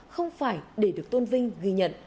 không phải để được tôn vinh ghi nhận